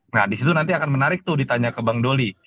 nah disitu nanti akan menarik tuh ditanya ke bang doli